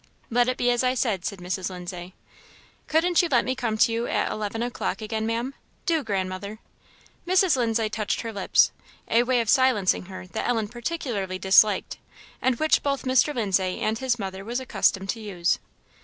"Let it be as I said," said Mrs. Lindsay. "Couldn't you let me come to you at eleven o'clock again, Ma'am? do, Grandmother!" Mrs. Lindsay touched her lips; a way of silencing her that Ellen particularly disliked, and which both Mr. Lindsay and his mother was accustomed to use.